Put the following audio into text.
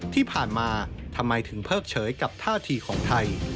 ที่ผ่านมาทำไมถึงเพิกเฉยกับท่าทีของไทย